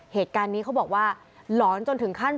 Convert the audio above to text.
เหตุการณ์นี้เขาบอกว่าหลอนจนถึงขั้น